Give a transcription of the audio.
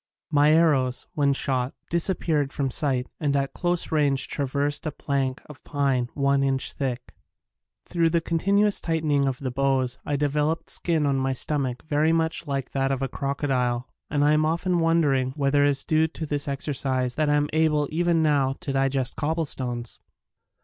My arrows, when shot, disappeared from sight and at close range traversed a plank of pine one inch thick. Thru the continuous tightening of the bows I developed skin on my stomach very much like that of a croco dile and I am often wondering whether it is due to this exercise that I am able even now to digest cobble stones